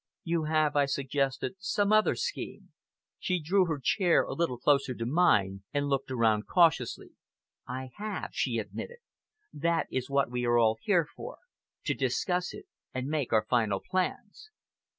"You have," I suggested, "some other scheme?" She drew her chair a little closer to mine, and looked around cautiously. "I have," she admitted. "That is what we are all here for to discuss it and make our final plans."